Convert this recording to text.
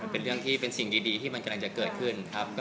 เป็นเรื่องที่เป็นสิ่งดีที่มันกำลังจะเกิดขึ้นครับ